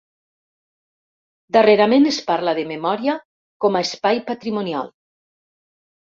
Darrerament es parla de memòria com a espai patrimonial.